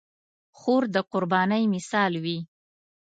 خور د قربانۍ مثال وي.